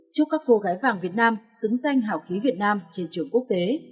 chúc các cô gái vàng việt nam xứng danh hào khí việt nam trên trường quốc tế